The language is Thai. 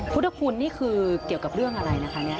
ปุธหคุณนี่คือเกี่ยวกับเรื่องอะไรนะคะ